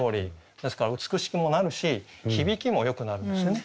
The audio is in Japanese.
ですから美しくもなるし響きもよくなるんですよね。